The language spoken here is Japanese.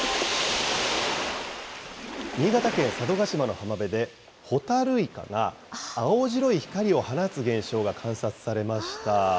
新潟県佐渡島の浜辺で、ホタルイカが青白い光を放つ現象が観察されました。